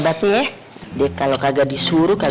ada aja apa ya